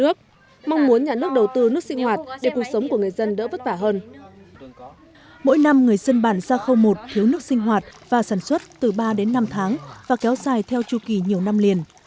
mặc dù người dân đã kiến nghị nhiều lần sau việc đầu tư nâng cấp hệ thống nước sinh hoạt người dân bản gia khâu một đã thiếu nước sinh hoạt và sản xuất từ ba đến năm tháng và kéo dài theo chu kỳ nhiều năm liền